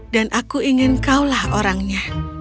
dan aku ingin kaulah orangnya